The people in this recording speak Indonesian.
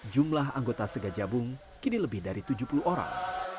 jumlah anggota segajabung kini lebih dari tujuh puluh orang